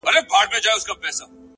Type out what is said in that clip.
پرېږده د خوار ژوند ديوه گړي سخا واخلمه!